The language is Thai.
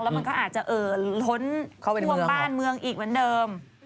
มันก็อาจจะล้นท่วมบ้านเมืองอีกเหมือนเดิม